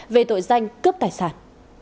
về tội danh cướp tài sản